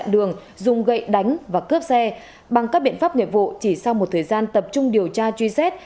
dùng gậy đánh và cướp xe bằng các biện pháp nghiệp vụ chỉ sau một thời gian tập trung điều tra truy xét